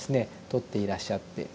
撮っていらっしゃって。